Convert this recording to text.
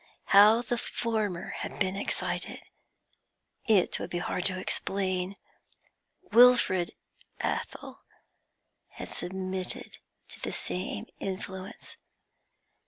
How the former had been excited, it would be hard to explain. Wilfrid Athel had submitted to the same influence.